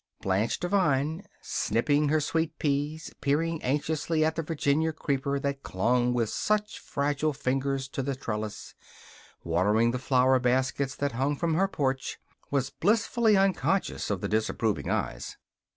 Blanche Devine snipping her sweet peas, peering anxiously at the Virginia creeper that clung with such fragile fingers to the trellis, watering the flower baskets that hung from her porch was blissfully unconscious of the disapproving eyes.